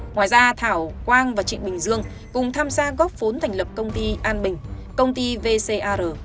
ngoài ra thảo quang và trịnh bình dương cùng tham gia góp vốn thành lập công ty an bình công ty vc